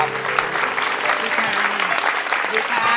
สวัสดีค่ะ